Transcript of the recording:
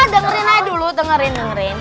dengerin aja dulu dengerin dengerin